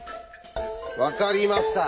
分かりました！